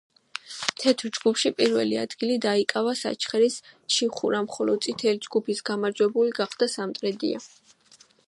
თეთრ ჯგუფში პირველი ადგილი დაიკავა საჩხერის „ჩიხურამ“, ხოლო წითელი ჯგუფის გამარჯვებული გახდა „სამტრედია“.